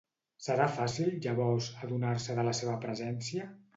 Serà fàcil, llavors, adonar-se de la seva presència?